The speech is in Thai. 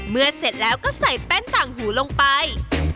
เสร็จแล้วก็ใส่แป้นต่างหูลงไป